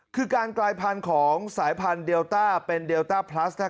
คือการกลายพันธุ์ของสายพันธุเดลต้าเป็นเดลต้าพลัส